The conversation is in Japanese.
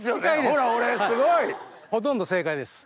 ほら俺すごい！ほとんど正解です。